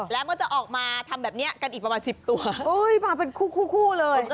แล้วก็จะออกมาทำแบบเนี้ยกันอีกประมาณสิบตัวเอ้ยมาเป็นคู่คู่คู่เลย